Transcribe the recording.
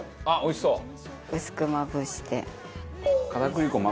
あっおいしそう！